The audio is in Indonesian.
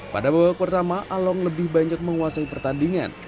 pada babak pertama along lebih banyak menguasai pertandingan